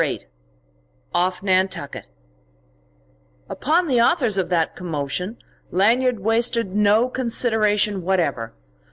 VIII OFF NANTUCKET Upon the authors of that commotion Lanyard wasted no consideration whatever.